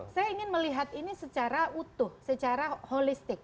saya ingin melihat ini secara utuh secara holistik